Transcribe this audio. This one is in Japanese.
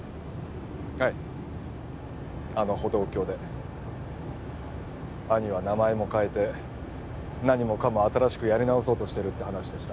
はいあの歩道橋で兄は名前も変えて何もかも新しくやり直そうとしてるって話でした